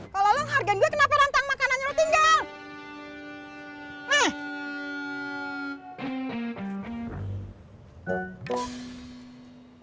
kalau lo ngehargain gua kenapa rantang makanannya lo tinggal